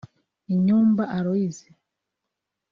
Inyumba Aloysia